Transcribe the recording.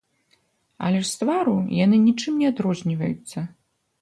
Але ж з твару яны нічым не адрозніваюцца.